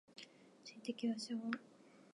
人的補償